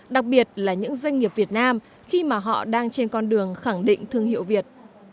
đặc biệt là những doanh nghiệp việt nam khi mà họ đang trên con đường khẳng định thương hiệu việt